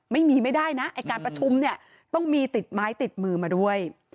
ไม่มีไม่ได้นะการประชุมต้องมีติดไม้ติดมือมาด้วย